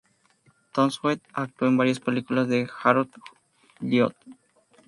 Townsend actuó en varias películas de Harold Lloyd.